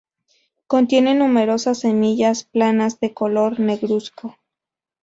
Contiene numerosas semillas planas de color negruzco.